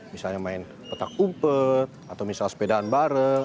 misalnya main petak umpet atau misalnya sepedaan bareng